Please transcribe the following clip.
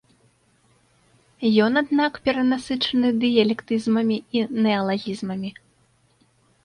Ён, аднак перанасычаны дыялектызмамі і неалагізмамі.